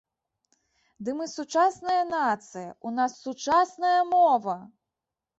Ды мы сучасная нацыя, у нас сучасная мова!